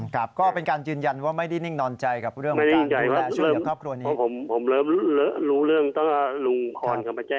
ครับก็เป็นการยืนยันว่าไม่นิ่งนอนใจกับเรื่องอำนาจ